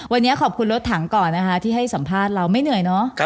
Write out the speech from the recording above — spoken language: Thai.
วันนี้ขอบคุณรถถังก่อนนะคะที่ให้สัมภาษณ์เราไม่เหนื่อยเนอะ